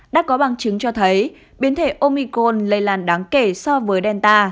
đã có bằng chứng cho thấy biến thể omico lây lan đáng kể so với delta